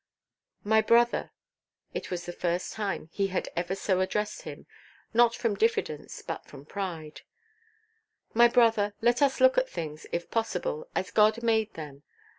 "My brother"—it was the first time he had ever so addressed him; not from diffidence, but from pride—"my brother, let us look at things, if possible, as God made them.